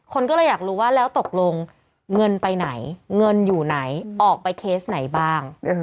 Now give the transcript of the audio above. คนก็เลยอยากรู้ว่าแล้วตกลงเงินไปไหนเงินอยู่ไหนออกไปเคสไหนบ้าง